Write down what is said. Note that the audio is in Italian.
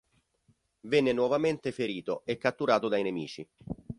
Venne nuovamente ferito e catturato dai nemici.